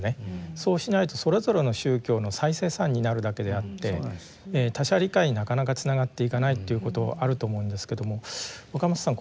そうしないとそれぞれの宗教の再生産になるだけであって他者理解になかなかつながっていかないということあると思うんですけども若松さん